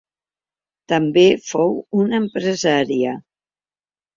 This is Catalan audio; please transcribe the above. També fou una empresària.